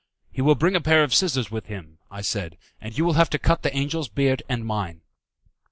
"He will bring a pair of scissors with him," I said, "and you will have to cut the angel's beard and mine."